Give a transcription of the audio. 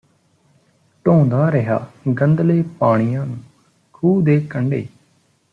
ਢੋਂਦਾ ਰਿਹਾ ਗੰਧਲ਼ੇ ਪਾਣੀਆਂ ਨੂੰ ਖ਼ੂਹ ਦੇ ਕੰਢੇ